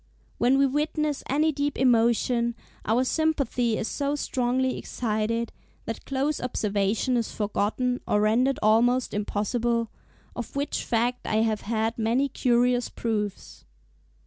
When we witness any deep emotion, our sympathy is so strongly excited, that close observation is forgotten or rendered almost impossible; of which fact I have had many curious proofs.